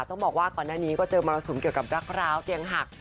ต้องบอกว่าก่อนหน้านี้ก็เจอมรสุมเกี่ยวกับรักร้าวเตียงหัก